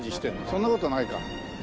そんな事ないか。